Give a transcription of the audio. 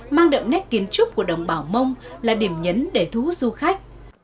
mang đậm nét kiến trúc của đồng bào mông là điểm nhấn để thu hút du khách